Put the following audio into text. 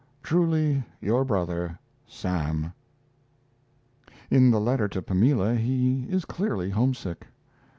Truly your brother, SAM In the letter to Pamela he is clearly homesick.